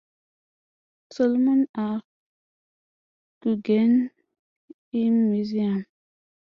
Solomon R. Guggenheim Museum.